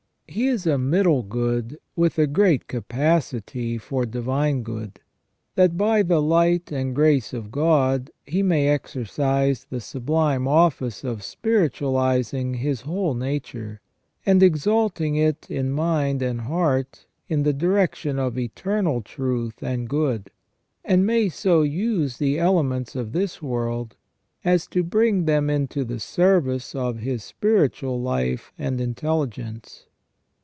He is a middle good with a great capacity for divine good, that by the light and grace of God he may exercise the sublime office of spiritualizing his whole nature, and exalting it in mind and heart in the direc tion of eternal truth and good, and may so use the elements of this world as to bring them into the service of his spiritual life and intelligence.